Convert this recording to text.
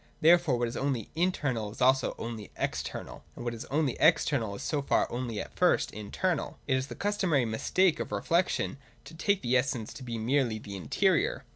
Therefore what is only internal is also only external : and what is only external, is so far only at first internal. It is the customary mistake of reflection to take the essence to be merely the interior.